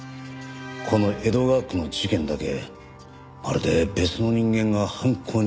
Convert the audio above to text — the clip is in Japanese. この江戸川区の事件だけまるで別の人間が犯行に。